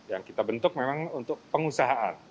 yang kita bentuk memang untuk pengusahaan